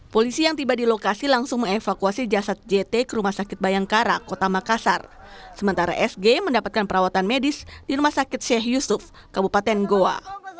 polisi yang tiba di lokasi langsung mengevakuasi jasad jt ke rumah sakit bayangkara kota makassar sementara sg mendapatkan perawatan medis di rumah sakit sheikh yusuf kabupaten goa